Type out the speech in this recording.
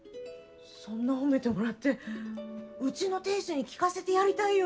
そんな褒めてもらってうちの亭主に聞かせてやりたいよ